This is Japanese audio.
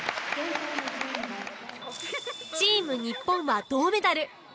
チーム日本は銅メダル。